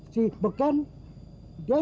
cinta gue sama abang aja sih